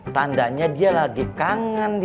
tandanya dia lagi kangen